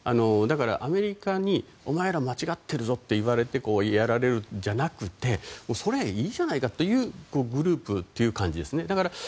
だからアメリカにお前ら間違っているぞと言われるわけじゃなくてそれで、いいじゃないかっていうグループっていう感じですね。